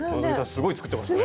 すごい作ってましたね。